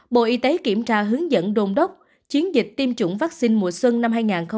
bộ y tế kiểm tra hướng dẫn đồn đốc chiến dịch tiêm chủng vaccine mùa xuân năm hai nghìn hai mươi